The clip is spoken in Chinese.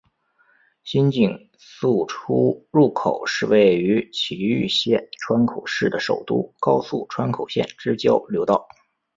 新井宿出入口是位于崎玉县川口市的首都高速川口线之交流道。